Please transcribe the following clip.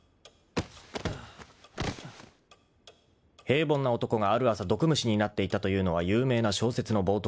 ［平凡な男がある朝毒虫になっていたというのは有名な小説の冒頭である］